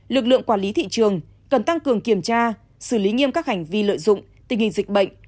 lực lượng quản lý thị trường cần tăng cường kiểm tra xử lý nghiêm các hành vi lợi dụng tình hình dịch bệnh